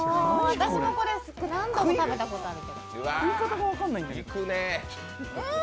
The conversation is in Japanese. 私もこれ何度も食べたことある。